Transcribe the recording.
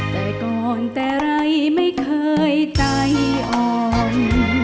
แต่ก่อนแต่ไรไม่เคยใจอ่อน